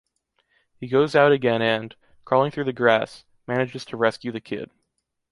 He goes out again and, crawling through the grass, manages to rescue the kid.